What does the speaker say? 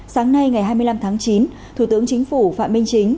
sáng nay ngày hai mươi năm tháng chín thủ tướng chính phủ phạm minh chính